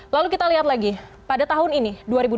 lalu kita lihat lagi pada tahun ini dua ribu dua puluh